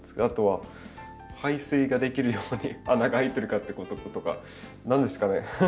あとは排水ができるように穴が開いてるかってこととか何ですかね？